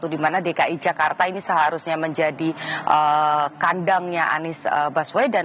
dimana dki jakarta ini seharusnya menjadi kandangnya anis baswedan